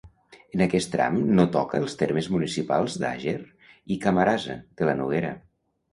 En aquest tram no toca els termes municipals d'Àger i Camarasa, de la Noguera.